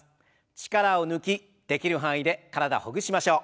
力を抜きできる範囲で体ほぐしましょう。